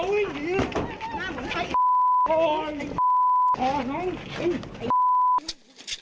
ไอ้โอ้โฮ